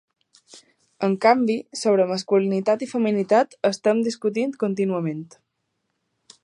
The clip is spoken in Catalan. En canvi, sobre masculinitat i feminitat estem discutint contínuament.